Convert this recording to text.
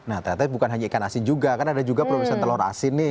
nah ternyata bukan hanya ikan asin juga kan ada juga produsen telur asin nih